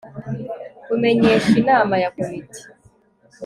kumenyesha Inama ya komite